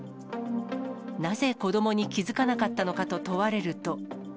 なぜ、子どもに気付かなかったのかと問われると。